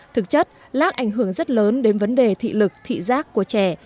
thực chất lác ảnh hưởng rất lớn đến vấn đề thị lực thị giác của trẻ